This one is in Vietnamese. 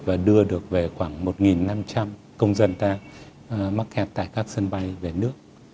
và đưa được về khoảng một năm trăm linh công dân ta mắc kẹt tại các sân bay về nước